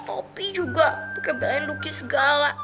ohh papi juga pakai belain luki segala